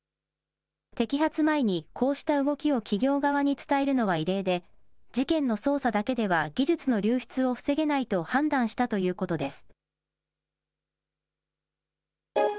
摘発前にこうした動きを企業側に伝えるのは異例で、事件の捜査だけでは技術の流出を防げないと判断したということです。